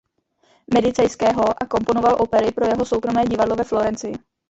Medicejského a komponoval opery pro jeho soukromé divadlo ve Florencii.